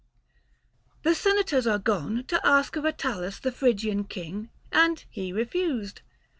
The Senators are gone To ask of Attalus the Phrygian king, And he refused.